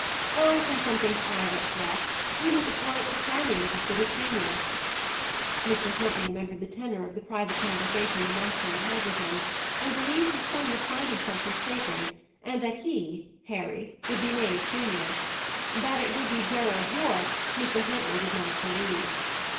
"Oh, from something Pye let drop. We look upon it that Channing is as good as senior." Mr. Huntley remembered the tenor of the private conversation the master had held with him, and believed his son would find himself mistaken, and that he, Harry, would be made senior. That it would be Gerald Yorke, Mr. Huntley did not believe.